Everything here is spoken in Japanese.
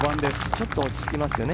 ちょっと落ち着きますね